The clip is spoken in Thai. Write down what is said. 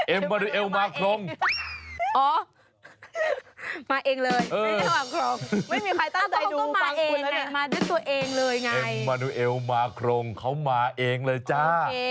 เอ็มเมนูเอลมาคลงเขามาเองเลยจ้า